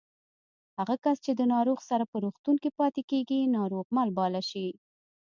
هغه کس چې د ناروغ سره په روغتون کې پاتې کېږي ناروغمل باله شي